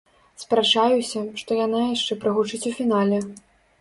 Спрачаюся, што яна яшчэ прагучыць у фінале.